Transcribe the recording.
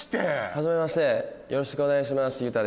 よろしくお願いします。